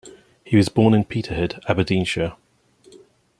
He was born in Peterhead, Aberdeenshire.